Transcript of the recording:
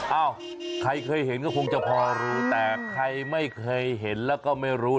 เอ้าใครเคยเห็นก็คงจะพอรู้แต่ใครไม่เคยเห็นแล้วก็ไม่รู้